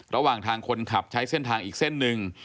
ระหว่างทางคนขับใช้เส้นทางอีกเส้นหนึ่ง